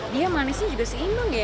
dia manisnya juga seimbang ya